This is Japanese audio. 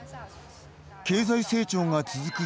経済成長が続く